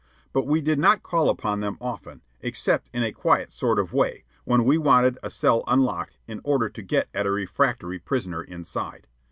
But we did not call upon them often, except in a quiet sort of way, when we wanted a cell unlocked in order to get at a refractory prisoner inside.